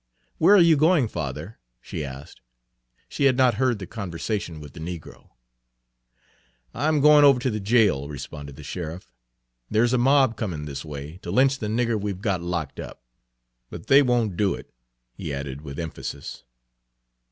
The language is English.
"Where are you going, father?" she asked. She had not heard the conversation with the negro. "I am goin' over to the jail," responded the sheriff. "There's a mob comin' this way Page 71 to lynch the nigger we've got locked up. But they won't do it," he added, with emphasis.